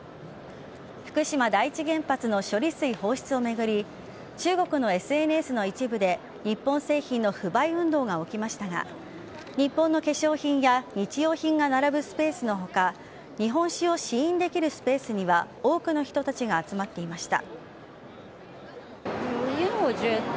福島第１原発の処理水放出をめぐり中国のＳＮＳの一部で日本製品の不買運動が起きましたが日本の化粧品や日用品が並ぶ中日本のスペースには多くの人たちが集まっていました。